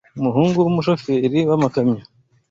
Umuhungu wumushoferi wamakamyo